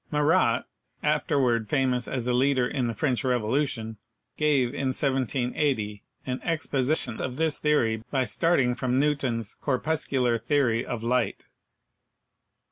Marat, afterward famous as a leader in the French Revolution, gave in 1780 an exposi tion of this theory by starting from Newton's corpuscular theory of light.